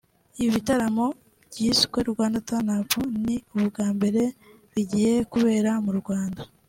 Ibi bitaramo byiswe ‘Rwanda Turn Up’ ni ubwa mbere bigiye kubera mu Rwanda